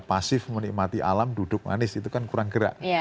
pasif menikmati alam duduk manis itu kan kurang gerak